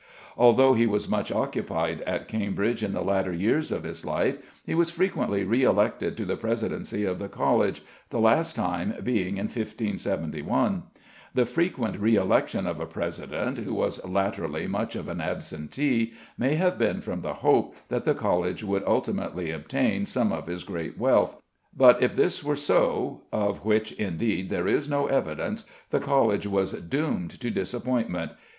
Although he was much occupied at Cambridge in the latter years of his life, he was frequently re elected to the presidency of the College, the last time being in 1571. The frequent re election of a president, who was latterly much of an absentee, may have been from the hope that the College would ultimately obtain some of his great wealth, but, if this were so, (of which indeed there is no evidence), the College was doomed to disappointment.